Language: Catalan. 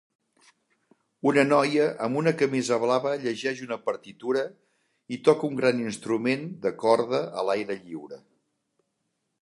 Una noia amb una camisa blava llegeix una partitura i toca un gran instrument de corda a l'aire lliure.